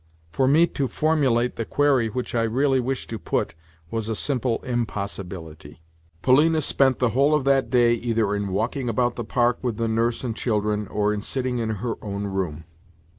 For me to formulate the query which I really wished to put was a simple impossibility. Polina spent the whole of that day either in walking about the park with the nurse and children or in sitting in her own room.